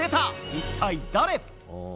一体誰？